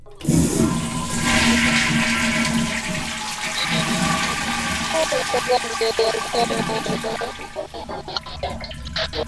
Akili imechoka